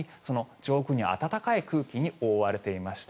上空に暖かい空気に覆われていました。